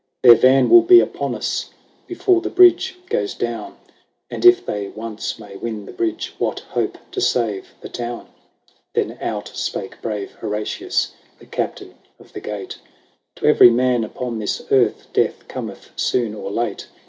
" Their van will be upon us Before the bridge goes down ; And if they once may win the bridge, What hope to save the town ?" XXVII. Then out spake brave Horatius, The Captain of the gate :" To every man upon this earth Death cometh soon or late.